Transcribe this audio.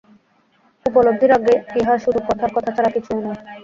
উপলব্ধির আগে ইহা শুধু কথার কথা ছাড়া আর কিছুই নয়।